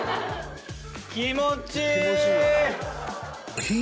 気持ちいい！